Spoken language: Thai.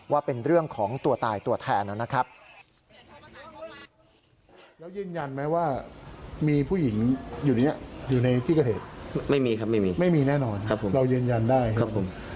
ว่าเป็นเรื่องของตัวตายตัวแทนนะครับ